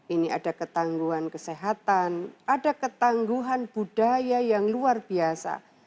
ini ada ketangguhan kesehatan ada ketangguhan budaya yang luar biasa